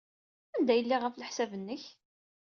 Anda ay lliɣ, ɣef leḥsab-nnek?